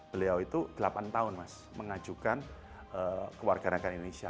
beliau itu delapan tahun mengajukan kewarganegaraan indonesia